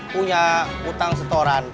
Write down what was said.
punya padat setoran